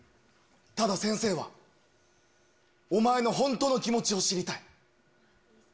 ただ先生は、お前の本当の気持ちを知りたい。